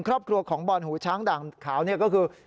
ครอบครัวของบอลหูช้างด่างขาวนี่ก็คือ